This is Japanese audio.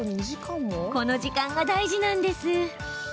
この時間が大事なんです。